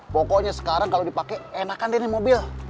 pokoknya sekarang kalau dipake enakan deh nih mobil